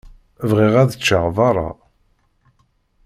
Bɣiɣ ad ččeɣ beṛṛa.